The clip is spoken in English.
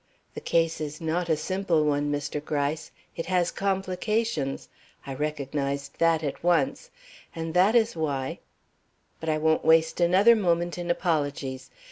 The case is not a simple one, Mr. Gryce; it has complications I recognized that at once, and that is why but I won't waste another moment in apologies.